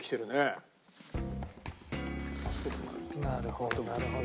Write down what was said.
なるほどなるほど。